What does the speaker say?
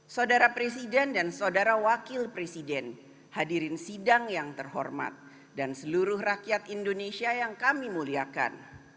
saudara presiden dan saudara wakil presiden hadirin sidang yang terhormat dan seluruh rakyat indonesia yang kami muliakan